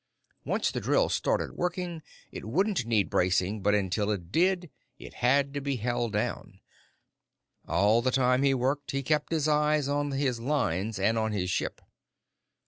Once the drill started working, it wouldn't need bracing, but until it did, it had to be held down. All the time he worked, he kept his eyes on his lines and on his ship.